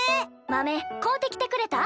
豆買うてきてくれた？